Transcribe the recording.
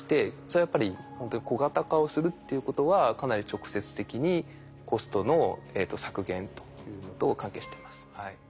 それはやっぱりほんとに小型化をするっていうことはかなり直接的にコストの削減というのと関係しています。